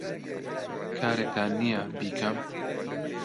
کارێکتان نییە بیکەم؟